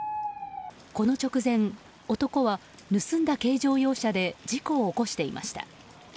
この直前、男は盗んだ軽乗用車で事故を起こしていました。